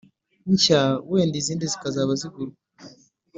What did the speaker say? nshya wenda izindi zikazaba zigurwa."